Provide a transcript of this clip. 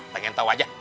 pengen tau aja